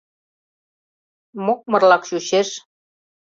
Мокмырлак чучеш.